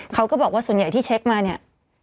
เขาก็บอกว่าส่วนใหญ่ที่เช็คมาเนี่ย